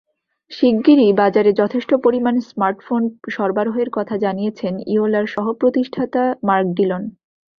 শিগগিরই বাজারে যথেষ্ট পরিমাণ স্মার্টফোন সরবরাহের কথা জানিয়েছেন ইয়োলার সহ-প্রতিষ্ঠাতা মার্ক ডিলন।